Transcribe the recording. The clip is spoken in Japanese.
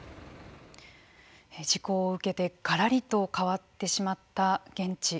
事故を受けてがらりと変わってしまった現地。